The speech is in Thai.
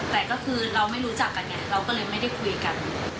แต่ก็คือเราไม่รู้จักกันไงเราก็เลยไม่ได้คุยกัน